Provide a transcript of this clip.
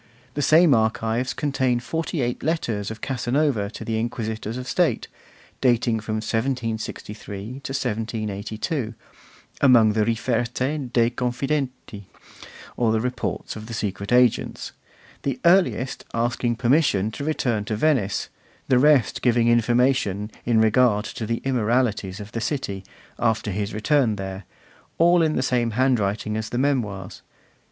The same archives contain forty eight letters of Casanova to the Inquisitors of State, dating from 1763 to 1782, among the Riferte dei Confidenti, or reports of secret agents; the earliest asking permission to return to Venice, the rest giving information in regard to the immoralities of the city, after his return there; all in the same handwriting as the Memoirs.